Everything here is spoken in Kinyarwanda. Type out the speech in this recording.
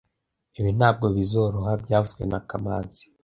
Ibi ntabwo bizoroha byavuzwe na kamanzi